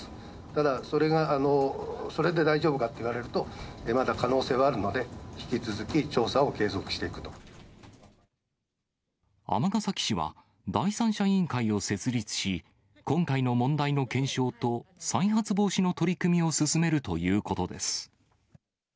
ただ、それが、それで大丈夫かって言われると、まだ可能性はあるので、尼崎市は、第三者委員会を設立し、今回の問題の検証と、再発防止の取り組みを進めるということです。